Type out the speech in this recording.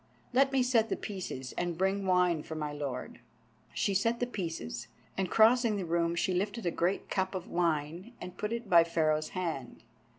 Let me set the Pieces, and bring wine for my lord." She set the Pieces, and crossing the room, she lifted a great cup of wine, and put it by Pharaoh's hand.